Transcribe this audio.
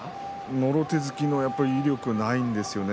もろ手突きの威力がないんですよね